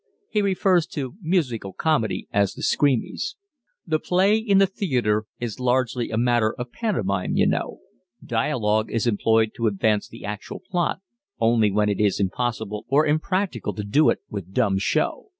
[He refers to musical comedy as the "screamies."] "The play in the theatre is largely a matter of pantomime, you know. Dialogue is employed to advance the actual plot only when it is impossible or impracticable to do it with dumb show.